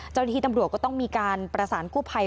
เจ้าหน้าที่ตำรวจก็ต้องมีการประสานกู้ภัย